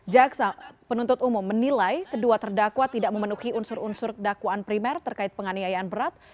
jaksa penuntut umum menilai kedua terdakwa tidak memenuhi unsur unsur dakwaan primer terkait penganiayaan berat